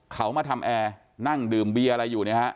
เขามาทำแอร์นั่งดื่มเบียร์อะไรอยู่เนี่ยฮะ